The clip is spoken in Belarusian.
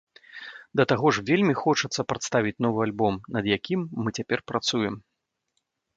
Да таго ж, вельмі хочацца прадставіць новы альбом, над якім мы цяпер працуем.